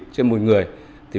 trên một người